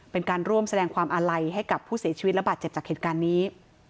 เป็นการร่วมแสดงความอาลัยให้กับผู้เสียชีวิตระบาดเจ็บจากเหตุการณ์นี้